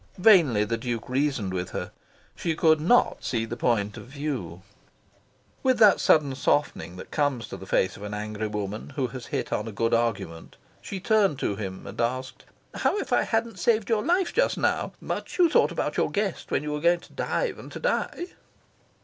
Vainly the Duke reasoned with her. She could NOT see the point of view. With that sudden softening that comes to the face of an angry woman who has hit on a good argument, she turned to him and asked "How if I hadn't saved your life just now? Much you thought about your guest when you were going to dive and die!"